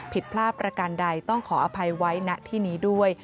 ผิดพลาดประการใดต้องขออภัยไว้ณที่นี้ด้วย